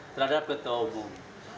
terhadap ketua umum